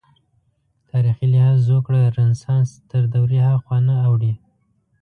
تاریخي لحاظ زوکړه رنسانس تر دورې هاخوا نه اوړي.